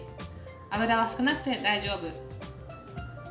油は少なくて大丈夫。